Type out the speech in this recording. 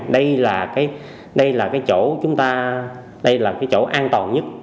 đây là cái chỗ chúng ta đây là cái chỗ an toàn nhất